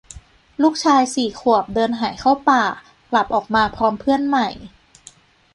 ลูกชาย สี่ ขวบ เดินหายเข้าป่า กลับออกมาพร้อมเพื่อนใหม่